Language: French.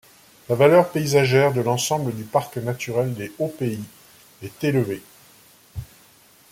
La valeur paysagère de l’ensemble du Parc naturel des Hauts-Pays est élevée.